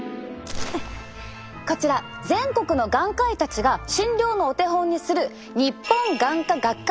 こちら全国の眼科医たちが診療のお手本にする日本眼科学会